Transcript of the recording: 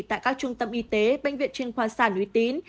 tại các trung tâm y tế bệnh viện chuyên khoa sản uy tín